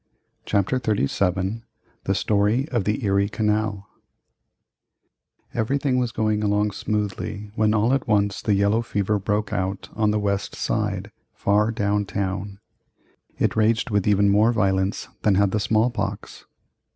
CHAPTER XXXVII THE STORY of the ERIE CANAL Everything was going along smoothly when all at once the yellow fever broke out on the west side, far downtown. It raged with even more violence than had the small pox.